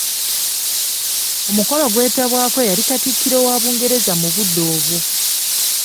Omukolo gwetabwako n'eyali Katikkiro wa Bungereza mu budde obwo.